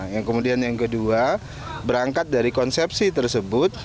yang kemudian yang kedua berangkat dari konsepsi tersebut